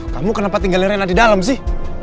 kamu kenapa tinggalin reina di dalam sih